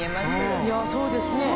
いやそうですね。